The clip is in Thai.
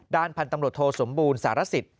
ด้านพันธมรถโทสมบูรณ์สารสิทธิ์